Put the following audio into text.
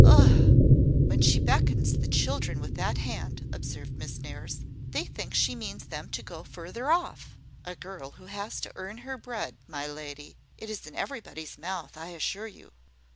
Ugh!" "When she beckons the children with that hand," observed Miss Nares, "they think she means them to go further off. A girl who has to earn her bread, my lady! It is in everybody's mouth, I assure you."